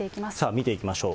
見ていきましょう。